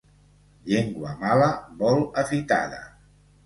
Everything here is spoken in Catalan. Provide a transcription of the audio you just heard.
Llengua mala vol afitada.